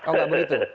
oh nggak begitu